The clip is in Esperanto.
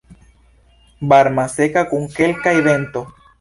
Varma, seka kun kelkaj vento.